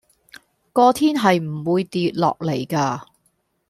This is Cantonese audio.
個天係唔會掉落嚟㗎